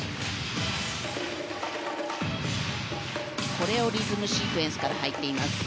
コレオリズムシークエンスから入っています。